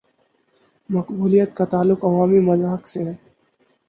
مقبولیت کا تعلق عوامی مذاق سے ہے۔